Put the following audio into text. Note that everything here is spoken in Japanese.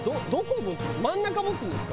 真ん中持つんですか？